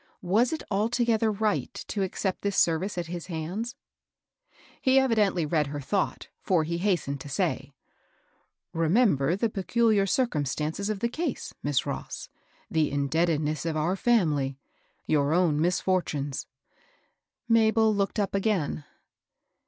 Was it altogether right to accept this service at his hands ? He evidently read her thought, for he hastened to say,— " Remember the peculiar circumstances of the case, Miss Ross, — the indebtedness of our family, ^ your own misfortunes "— Mabel looked up again.